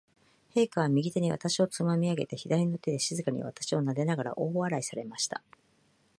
陛下は、右手に私をつまみ上げて、左の手で静かに私をなでながら、大笑いされました。